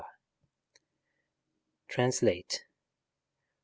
TRANSLATE 1.